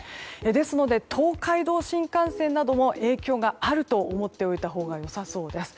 ですので東海道新幹線などは影響があると思っておいたほうが良さそうです。